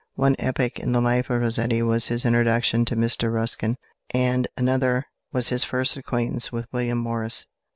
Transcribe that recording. One epoch in the life of Rossetti was his introduction to Mr Ruskin, and another was his first acquaintance with William Morris.